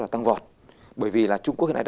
là tăng vọt bởi vì trung quốc hiện nay